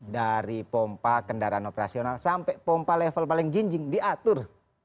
dari pompa kendaraan operasional sampai pompa level paling jinjing diatur